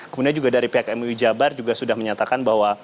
kemudian juga dari pihak mui jabar juga sudah menyatakan bahwa